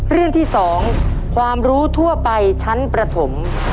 เรื่องที่๒ความรู้ทั่วไปชั้นประถม